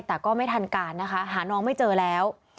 แต่ก็ไม่ทันการนะคะหาน้องไม่เจอแล้ว